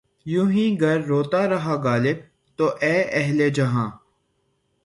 یوں ہی گر روتا رہا غالب! تو اے اہلِ جہاں